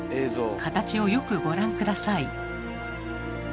形をよくご覧下さい。